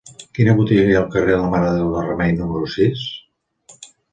Quina botiga hi ha al carrer de la Mare de Déu del Remei número sis?